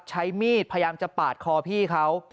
ใช้มีดพยายามจะปาดคอพี่เขา